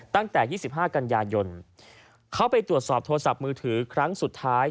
ตั้งแต่๒๕กันยายนเขาไปตรวจสอบโทรศัพท์มือถือครั้งสุดท้าย